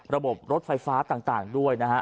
ระบบรถไฟฟ้าต่างด้วยนะครับ